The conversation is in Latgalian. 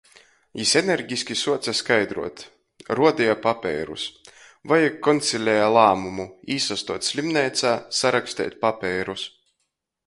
Jis energiski suoce skaidruot, ruodeja papeirus. Vajag konsileja lāmumu. Īsastuot slimneicā, saraksteit papeirus.